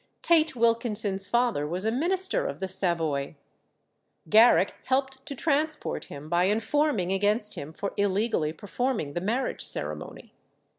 Tait Wilkinson's father was a minister of the Savoy. Garrick helped to transport him by informing against him for illegally performing the marriage ceremony.